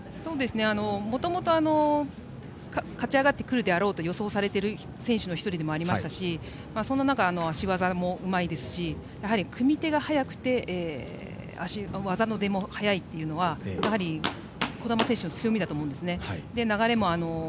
もともと勝ち上がってくるであろうと予想されている選手の１人でもありましたしそんな中、足技もうまいですしやはり組み手が速くて技の出も速いというのは児玉選手に強みだと思うんです。